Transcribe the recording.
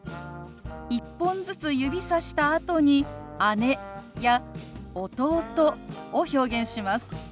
１本ずつ指さしたあとに「姉」や「弟」を表現します。